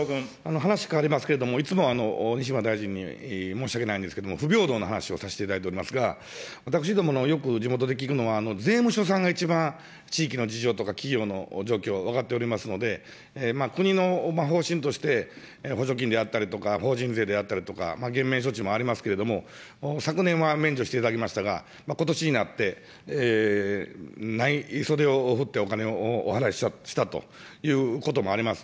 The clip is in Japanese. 話変わりますけれども、いつも西村大臣に申し訳ないんですけど、不平等の話をさせていただいておりますが、私どもの、よく地元で聞くのは、税務署さんが一番地域の事情とか企業の状況は分かっておりますので、国の方針として、補助金であったりとか、法人税であったりとか、減免措置もありますけれども、昨年は免除していただきましたが、ことしになって、ない袖を振ってお金をお支払いしたということもあります。